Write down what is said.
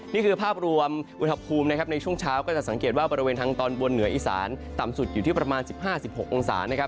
นี่คือภาพรวมอุณหภูมินะครับในช่วงเช้าก็จะสังเกตว่าบริเวณทางตอนบนเหนืออีสานต่ำสุดอยู่ที่ประมาณ๑๕๑๖องศานะครับ